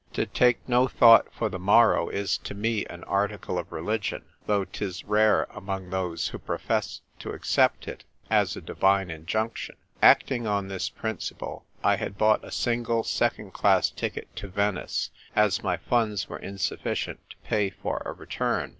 To take no thought for the morrow is to me an article of religion, though 'tis rare among those who profess to accept it as a divine injunction. Acting on this principle, I had bought a single second class ticket to Venice, as my funds were insufficient to pay for a return.